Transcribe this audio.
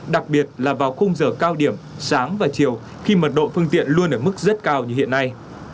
đặc biệt là vào khung giờ cao điểm sáng và chiều khi mật độ phương tiện luôn ở mức rất cao như hiện nay